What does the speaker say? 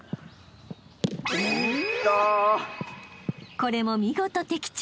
［これも見事的中］